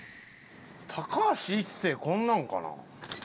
高橋一生こんなんかな？